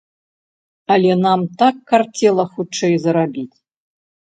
Але нам так карцела хутчэй зарабіць!